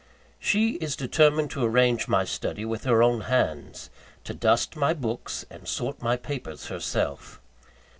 She is determined to arrange my study with her own hands; to dust my books, and sort my papers herself.